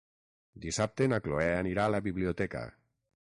Dissabte na Cloè anirà a la biblioteca.